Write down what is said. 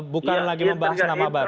bukan lagi membahas nama baru